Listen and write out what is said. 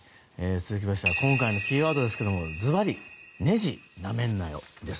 続きまして、今回のキーワードですけれどもずばり「ねじ、なめんなよ」です。